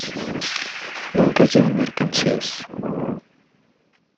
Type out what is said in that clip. Nunca llevan mercancías.